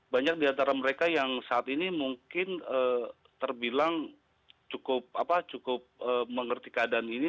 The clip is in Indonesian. banyak di antara mereka yang saat ini mungkin terbilang cukup mengerti keadaan ini